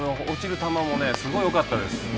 落ちる球もすごいよかったです。